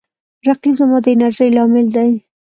رقیب زما د انرژۍ لامل دی